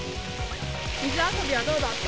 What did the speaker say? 水遊びはどうだった？